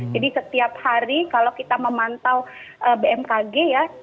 setiap hari kalau kita memantau bmkg ya